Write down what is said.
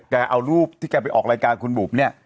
เคยเอารูปที่แกไปออกรายการของคุณบุบเนี่ย